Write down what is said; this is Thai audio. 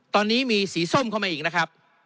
ตอนนี้มีสีส้มเข้ามาอีกนะครับ